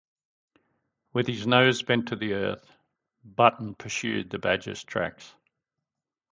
With his nose bent to the earth, Button pursued the badger's tracks.